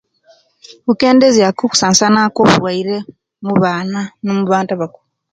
Kukendeziaku okusasana kwo'bulwaire omubaana no'mubantu abakulu.